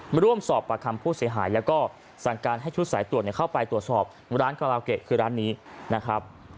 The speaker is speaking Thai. มาร่วมสอบปากคำผู้เสียหายแล้วก็สั่งการให้ชุดสายตรวจเข้าไปตรวจสอบร้านกาลาวเกะคือร้านนี้นะครับ